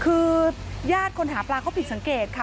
คือญาติคนหาปลาเขาผิดสังเกตค่ะ